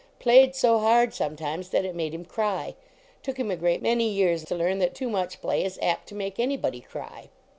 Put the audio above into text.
Played so hard sometimes that it made him cry. Took him a great many years to learn that too much play is apt to make anybody cry.